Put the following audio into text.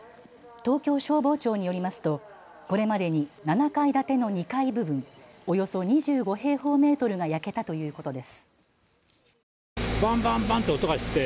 東京消防庁によりますとこれまでに７階建ての２階部分およそ２５平方メートルが焼けたということです。